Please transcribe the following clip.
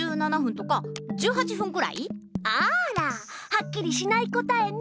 あらはっきりしない答えね。